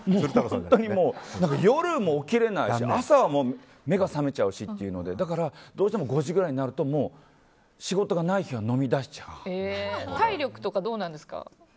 本当に夜も起きれないし朝は目が覚めちゃうしっていうので５時ぐらいになるともう仕事がない日は体力とかどうなんですか。